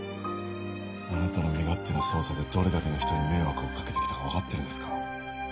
あなたの身勝手な捜査でどれだけの人に迷惑をかけてきたか分かってるんですか